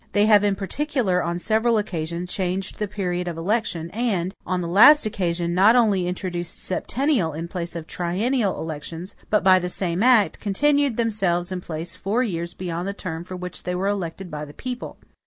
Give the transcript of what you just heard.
They have in particular, on several occasions, changed the period of election; and, on the last occasion, not only introduced septennial in place of triennial elections, but by the same act, continued themselves in place four years beyond the term for which they were elected by the people.